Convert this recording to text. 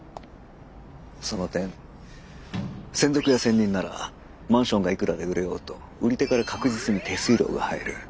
その点専属や専任ならマンションがいくらで売れようと売り手から確実に手数料が入る。